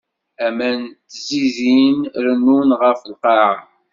Aman ttzidin rennun ɣef lqaɛa.